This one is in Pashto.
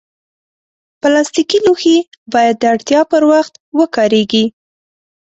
پلاستيکي لوښي باید د اړتیا پر وخت وکارېږي.